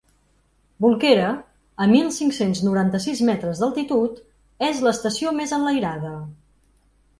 Bolquera, a mil cinc-cents noranta-sis metres d’altitud, és l’estació més enlairada.